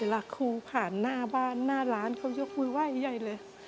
รักครูผ่านหน้าบ้านหน้าร้านเขายกมือไหว้ใหญ่เลย